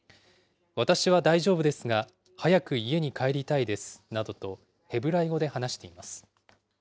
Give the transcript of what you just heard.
私は大丈夫ですが、早く家に帰りたいですなどとヘブライ語で話しています。